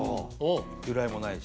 由来もないし。